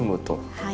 はい。